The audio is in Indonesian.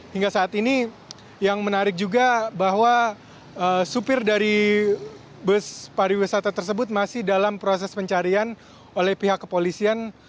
hingga saat ini yang menarik juga bahwa supir dari bus pariwisata tersebut masih dalam proses pencarian oleh pihak kepolisian